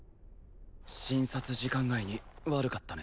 診察時間外に悪かったね